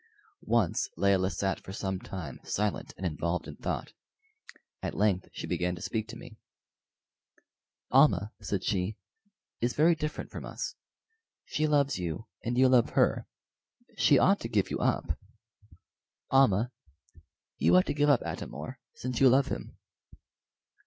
Once Layelah sat for some time silent and involved in thought. At length she began to speak to me. "Almah," said she, "is very different from us. She loves you and you love her. She ought to give you up. Almah, you ought to give up Atam or, since you love him."